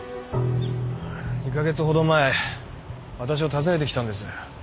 ２カ月ほど前私を訪ねてきたんです。